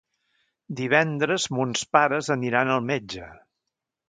Divendres mons pares aniran al metge.